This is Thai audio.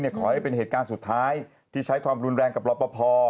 ขอให้เป็นเหตุการณ์สุดท้ายที่ใช้ความรุนแรงกับรอปภ